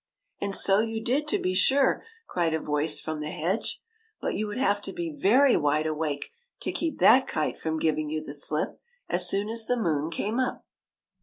" And so you did, to be sure !" cried a voice from the hedge; "but you would have to be very wide awake to keep ^Aaf kite from giv ing you the slip, as soon as the moon came up